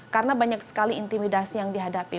karena banyak sekali intimidasi yang dihadapi